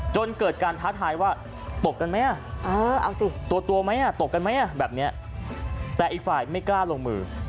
จนเกิดการท้าท้ายว่าตกกันมั้ยตัวมั้ยตกกันมั้ยแต่อีกฝ่ายไม่กล้าลงมือ